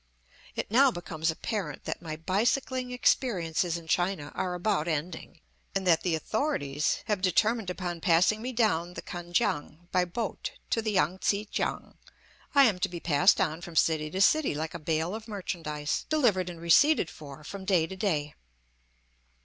It now becomes apparent that my bicycling experiences in China are about ending, and that the authorities have determined upon passing me down the Kan kiang by boat to the Yang tsi kiang. I am to be passed on from city to city like a bale of merchandise, delivered and receipted for from day to day.